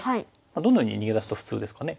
どのように逃げ出すと普通ですかね？